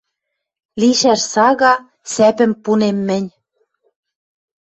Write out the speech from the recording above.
Лишӓш сага — сӓпӹм пунем мӹнь.